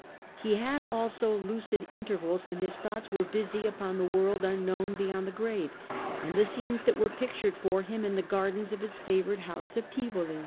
He had also lucid intervals when his thoughts were busy upon the world unknown beyond the grave, and the scenes that were pictured for him in the gardens of his favoured home of Tivoli.